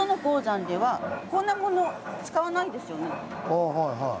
ああはいはい。